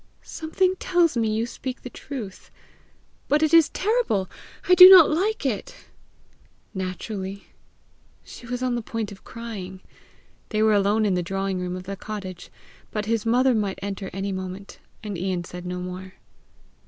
"Something tells me you speak the truth; but it is terrible! I do not like it." "Naturally." She was on the point of crying. They were alone in the drawing room of the cottage, but his mother might enter any moment, and Ian said no more.